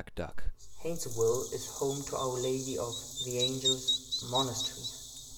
Hanceville is home to Our Lady of the Angels Monastery.